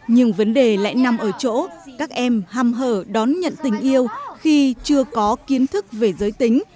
nhưng vấn đề lại nằm ở chỗ các em ham hở đón nhận tình yêu khi chưa có kiến thức về giới tính